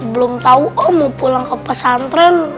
belum tau om mau pulang ke pesantren